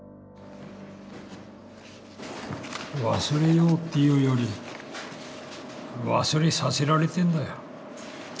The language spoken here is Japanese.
忘れようっていうより忘れさせられてんだよ。